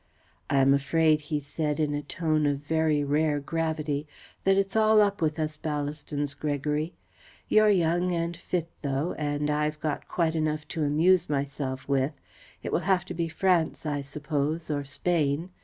"I am afraid," he said, in a tone of very rare gravity, "that it's all up with us Ballastons, Gregory. You're young and fit though, and I've got quite enough to amuse myself with it will have to be France, I suppose, or Spain.